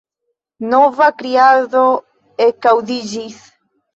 Nova kriado ekaŭdiĝis.